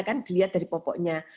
kan dilihat dari popoknya